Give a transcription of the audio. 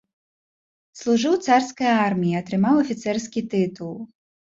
Служыў у царскай арміі, атрымаў афіцэрскі тытул.